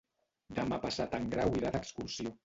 Demà passat en Grau irà d'excursió.